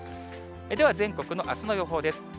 では全国のあすの予報です。